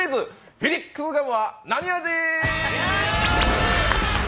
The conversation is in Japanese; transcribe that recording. フィリックスガムは何味？」